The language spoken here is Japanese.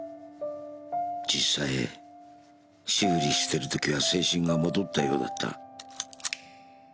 実際修理してる時は青春が戻ったようだった。